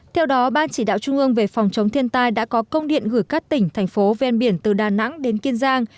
theo đó ban chỉ đạo trung ương về phòng chống thiên tai đã có công điện gửi các tỉnh thành phố ven biển từ đà nẵng đến kiên giang